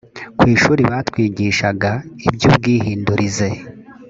ku ishuri batwigishaga iby’ubwihindurize